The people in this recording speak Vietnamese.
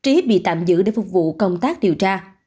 trí bị giết vì tạm giữ để phục vụ công tác điều tra